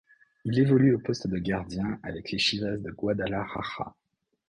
Il évolue au poste de gardien de but avec les Chivas de Guadalajara.